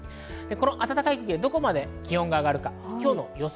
暖かい空気はどこまで気温が上がるか、今日の予想